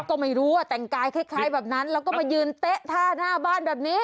ก็ไม่รู้ว่าแต่งกายคล้ายแบบนั้นแล้วก็มายืนเต๊ะท่าหน้าบ้านแบบนี้